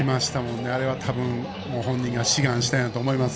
あれは多分、本人が志願したんだと思います。